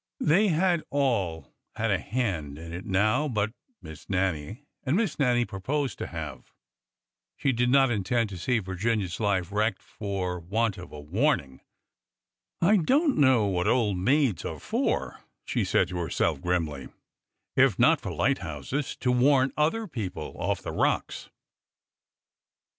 They had all had a hand in it now but Miss Nannie, and Miss Nannie proposed to have. She did not intend to see Virginia's life wrecked for want of a warning. I don't know what old maids are for," she said to herself grimly, if not for lighthouses to warn other people off the rocks